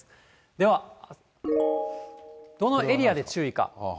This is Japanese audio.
では、どのエリアで注意か。